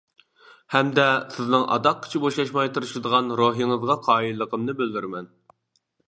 ھەمدە سىزنىڭ ئاداققىچە بوشاشماي تىرىشىدىغان روھىڭىزغا قايىللىقىمنى بىلدۈرىمەن.